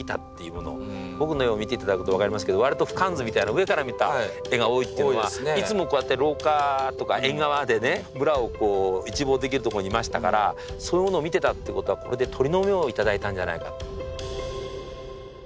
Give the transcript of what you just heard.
僕の絵を見て頂くと分かりますけど割とふかん図みたいな上から見た絵が多いっていうのはいつもこうやって廊下とか縁側でね村を一望できるところにいましたからそういうものを見てたっていうことはこれで鳥の目を頂いたんじゃないか。